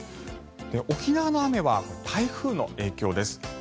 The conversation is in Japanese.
沖縄の雨は台風の影響です。